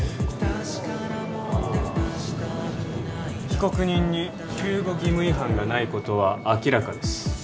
被告人に救護義務違反がないことは明らかです